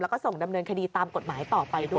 แล้วก็ส่งดำเนินคดีตามกฎหมายต่อไปด้วย